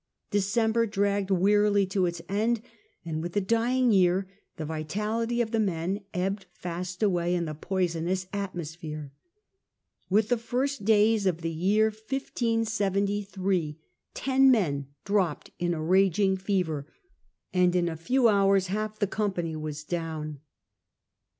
December dragged wearily to its end, and with the dpng year the vitality of the men ebbed fast away in the poisonous atmosphere. With the first days of the year 1573 ten men dropped in a raging fever, and in a few hours half the company were down.